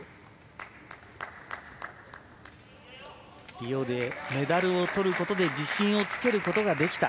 リオでメダルをとることで自信をつけることができた。